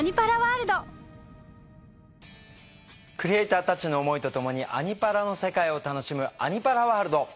クリエーターたちの思いとともに「アニ×パラ」の世界を楽しむ「アニ×パラワールド」。